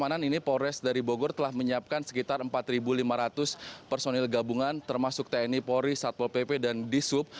pengamanan ini polres dari bogor telah menyiapkan sekitar empat lima ratus personil gabungan termasuk tni polri satpol pp dan disub